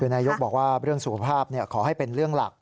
นายกบอกว่าเรื่องสุขภาพขอให้เป็นเรื่องหลัก